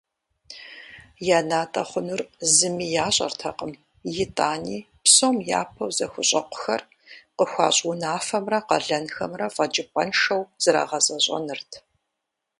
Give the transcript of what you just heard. Я натӀэ хъунур зыми ящӀэртэкъым, итӀани псом япэу зыхущӀэкъухэр къыхуащӀ унафэмрэ къалэнхэмрэ фэкӀыпӀэншэу зэрагъэзэщӀэнырт.